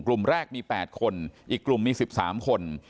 กลุ่มแรกมีแปดคนอีกกลุ่มมีสิบสามคน